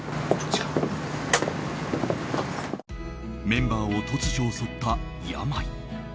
メンバーを突如襲った病。